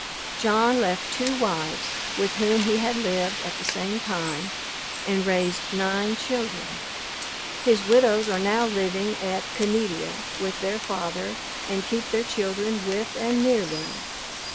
John left two wives with whom he had lived at the same time, and raised nine children. His widows are now living at Caneadea with their father, and keep their children with, and near them.